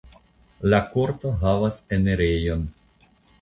La korto havas enirejon.